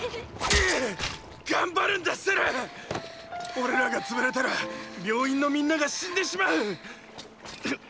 俺らが潰れたら病院のみんなが死んでしまう！！っ！